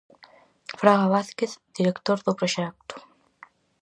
Fraga Vázquez, director do proxecto.